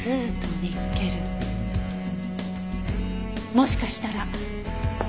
もしかしたら。